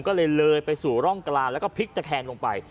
ก็เลยเลยไปสู่ร่องกลางแล้วก็พลิกตะแคงลงไป